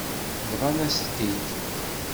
Bḍant-as-t-id.